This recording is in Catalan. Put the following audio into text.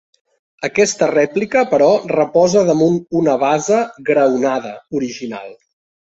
Aquesta rèplica, però, reposa damunt una basa graonada, original.